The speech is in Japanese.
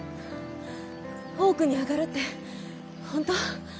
大奥に上がるって本当！？